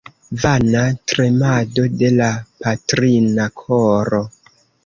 Vana tremado de la patrina koro!